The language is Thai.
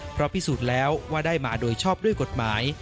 เพราะพิสูจน์แล้วว่าได้มาโดยชอบด้วยกฎหมาย